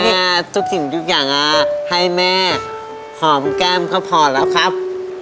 ทุกสิ่งทุกอย่างให้แม่หอมแก้มก็พอแล้วครับ